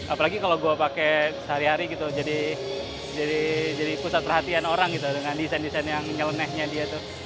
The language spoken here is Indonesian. apalagi kalau gue pakai sehari hari gitu jadi pusat perhatian orang gitu dengan desain desain yang nyelenehnya dia tuh